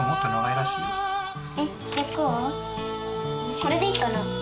これでいいかな？